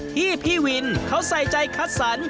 พี่วินเขาใส่ใจคัดสรร